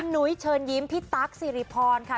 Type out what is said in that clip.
นุ้ยเชิญยิ้มพี่ตั๊กสิริพรค่ะ